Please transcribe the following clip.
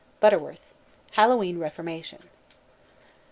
BUTTERWORTH: _Hallowe'en Reformation.